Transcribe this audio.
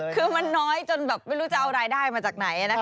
คือมันน้อยจนแบบไม่รู้จะเอารายได้มาจากไหนนะคะ